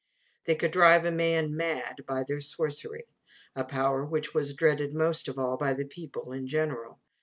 They could drive a man mad by their sorcery a power which was dreaded most of all by the people in general.